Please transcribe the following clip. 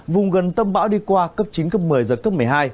vùng gần tâm bão đi qua cấp chín cấp một mươi giật cấp một mươi hai